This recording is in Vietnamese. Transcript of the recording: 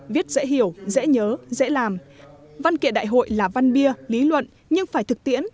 viết dễ hiểu dễ nhớ dễ làm văn kiện đại hội là văn bia lý luận nhưng phải thực tiễn